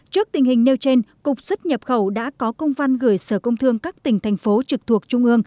trước tình hình nêu trên cục xuất nhập khẩu đã có công văn gửi sở công thương các tỉnh thành phố trực thuộc trung ương